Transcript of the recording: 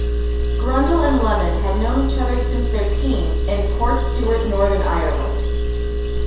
Grundle and Lemon had known each other since their teens in Portstewart, Northern Ireland.